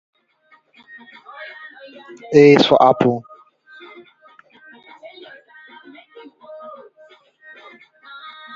The Klingon Language Institute exists to promote the language.